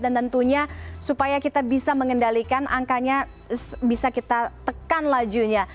dan tentunya supaya kita bisa mengendalikan angkanya bisa kita tekan lajunya